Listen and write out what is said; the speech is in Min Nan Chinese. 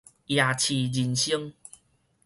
夜市人生